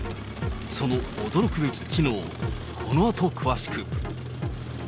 その驚くべき機能、このあと詳しく。